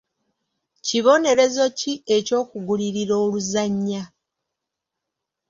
Kibonerezo ki eky'okugulirira oluzannya.